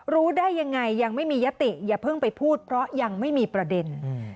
รู้ได้ยังไงยังไม่มียติอย่าเพิ่งไปพูดเพราะยังไม่มีประเด็น